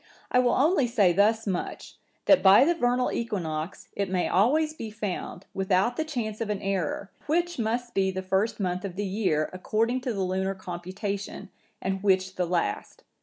I will only say thus much, that by the vernal equinox, it may always be found, without the chance of an error, which must be the first month of the year, according to the lunar computation, and which the last.